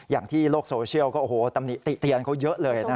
อย่างที่โลกโซเชียลก็โอ้โหตำหนิติเตียนเขาเยอะเลยนะ